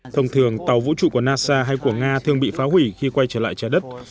thông thường tàu vũ trụ của nasa hay của nga thường bị phá hủy khi quay trở lại trái đất